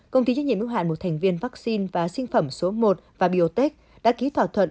công ty trách nhiệm ưu hạn một thành viên vaccine và sinh phẩm số một và biotech đã ký thỏa thuận